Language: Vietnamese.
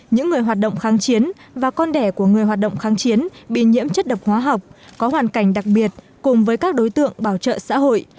những người hoạt động kháng chiến và con đẻ của người hoạt động kháng chiến bị nhiễm chất độc hóa học có hoàn cảnh đặc biệt cùng với các đối tượng bảo trợ xã hội